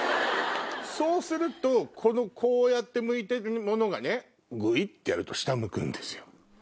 そうするとこうやって向いてるものがねぐいってやると下向くんですよ。